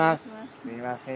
すみません。